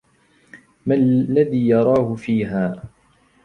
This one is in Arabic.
ما الذي يراهُ فيها؟